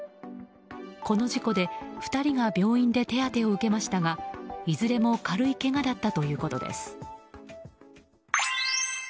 この事故で２人が病院で手当てを受けましたがいずれも軽いけがだったということです。